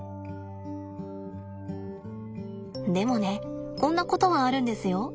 でもねこんなことはあるんですよ。